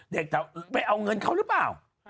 เด็กจะเอาเงินเขาหรือกัน